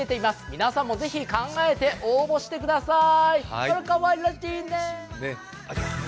皆さんもぜひ考えて応募してください。